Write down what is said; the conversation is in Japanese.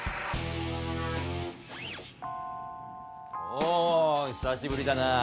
おお久しぶりだなぁ。